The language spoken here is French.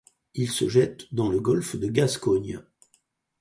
Il se jette dans le golfe de Gascogne.